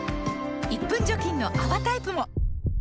１分除菌の泡タイプも！